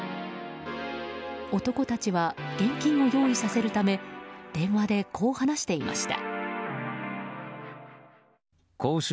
男たちは、現金を用意させるため電話で、こう話していました。